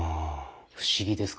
不思議ですか？